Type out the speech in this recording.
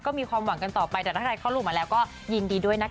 ก็มีความหวังกันต่อไปแต่ถ้าใครเข้ารูปมาแล้วก็ยินดีด้วยนะคะ